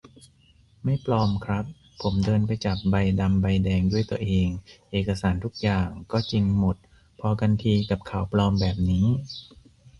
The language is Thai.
ไม่ปลอมครับ ผมเดินไปจับใบดำใบแดงด้วยตัวเอง เอกสารทุกอย่างก็จริงหมด พอกันทีกับข่าวปลอมแบบนี้